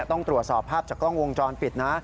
ต้องตรวจสอบภาพจากกล้องวงจรปิดนะ